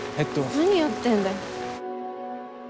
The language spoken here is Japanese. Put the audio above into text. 何やってんだよ。